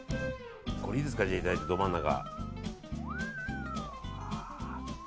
これ、いいですかいただいて、ど真ん中。